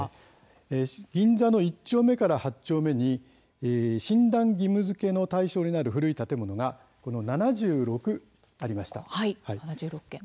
銀座の１丁目から８丁目に耐震診断義務づけの対象になる古い建物が７６ありました。